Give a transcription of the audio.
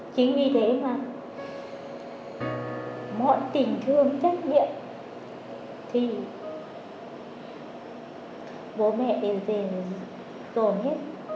chính vì thế mà mọi tình thương trách nhiệm thì bố mẹ để về rồi nhé